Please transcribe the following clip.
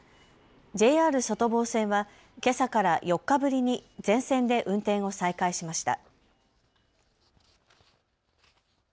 ＪＲ外房線はけさから４日ぶりに全線で運転を再開しました。